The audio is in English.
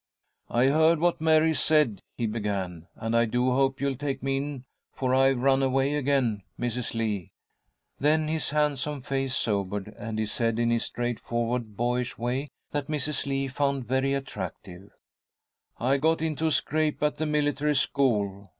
"I heard what Mary said," he began, "and I do hope you'll take me in, for I've run away again, Mrs. Lee." Then his handsome face sobered, and he said, in his straightforward, boyish way that Mrs. Lee found very attractive, "I got into a scrape at the military school.